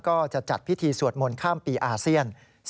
ก็จะจัดพิธีสวดมนต์ข้ามปีอาเซียน